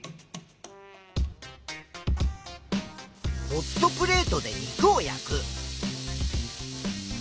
ホットプレートで肉を焼く。